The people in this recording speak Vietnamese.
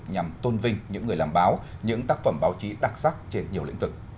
nhằm tôn vinh những người làm báo những tác phẩm báo chí đặc sắc trên nhiều lĩnh vực